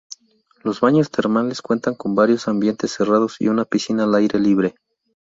Los Baños termales cuentan con varios ambientes cerrados y una piscina al aire libre.